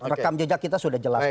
rekam jejak kita sudah jelas